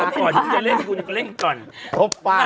ก็คือควายเป็นผ่าน